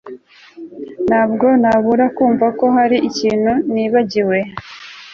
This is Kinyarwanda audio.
Ntabwo nabura kumva ko hari ikintu nibagiwe